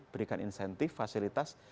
berikan insentif fasilitas